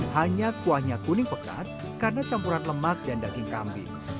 hanya kuahnya kuning pekat karena campuran lemak dan daging kambing